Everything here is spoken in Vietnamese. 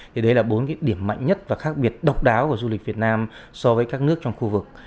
thì đấy là bốn cái điểm mạnh nhất và khác biệt độc đáo của du lịch việt nam so với các nước trong khu vực